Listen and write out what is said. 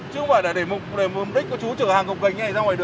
chứ không phải để mục để mục đích cho chú chở hàng hộp gánh này ra ngoài